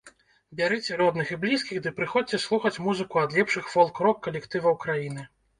Бярыце родных і блізкіх ды прыходзьце слухаць музыку ад лепшых фолк-рок калектываў краіны.